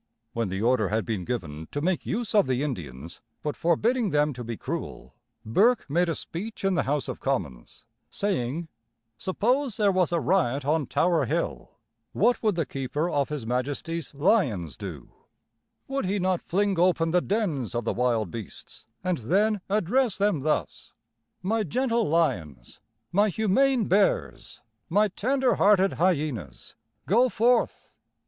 When the order had been given to make use of the Indians, but forbidding them to be cruel, Burke made a speech in the House of Commons, saying: "Suppose there was a riot on Tower Hill. What would the keeper of his Majesty's lions do? Would he not fling open the dens of the wild beasts, and then address them thus: 'My gentle lions, my humane bears, my tender hearted hyenas, go forth!